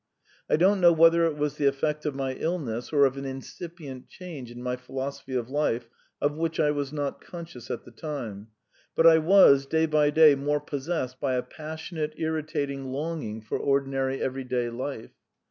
I don't know whether it was the effect of my illness or of an incipient change in my philosophy of life of which I was not conscious at the time, but I was, day by day, more possessed by a passionate, irritating longing for ordinary everyday life.